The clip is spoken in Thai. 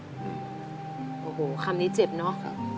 โอ้โหคำนี้เจ็บเนอะ